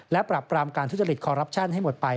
และปรับปรามการทุจริตคอรัปชั่นให้หมดไป